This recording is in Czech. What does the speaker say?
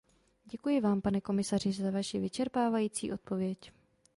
Děkuji Vám, pane komisaři, za vaši vyčerpávající odpověď.